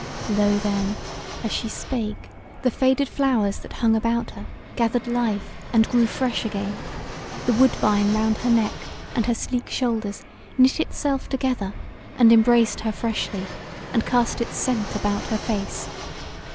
Lo then! as she spake, the faded flowers that hung about her gathered life and grew fresh again; the woodbine round her neck and her sleek shoulders knit itself together and embraced her freshly, and cast its scent about her face.